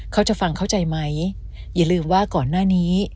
เขาจะฟังเข้าใจไหมอย่าลืมว่าก่อนหน้านี้